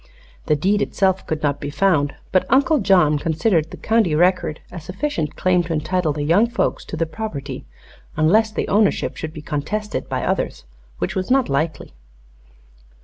The deed itself could not be found, but Uncle John considered the county record a sufficient claim to entitle the young folks to the property unless the ownership should be contested by others, which was not likely.